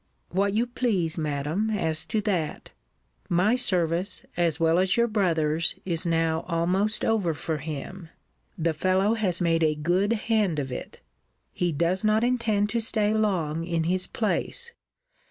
What you please, Madam, as to that my service, as well as your brother's is now almost over for him. The fellow has made a good hand of it. He does not intend to stay long in his place.